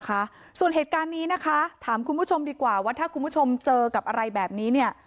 ค่ะส่วนเหตุการณ์นี้นะคะถามคุณผู้ชมดีกว่าว่าถ้าคุณผู้ชมเจอกับอะไรแบบนี้เนี่ย